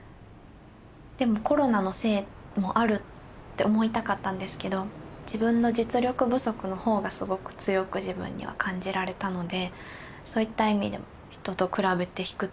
でもコロナのせいもあるって思いたかったんですけど自分の実力不足のほうがすごく強く自分には感じられたのでそういった意味でも人と比べて卑屈になる。